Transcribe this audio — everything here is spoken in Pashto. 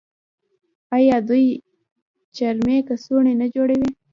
آیا دوی چرمي کڅوړې نه جوړوي؟